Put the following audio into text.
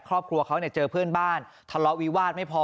ครอบครัวเขาเนี่ยเจอเพื่อนบ้านทะเลาะวิวาสไม่พอ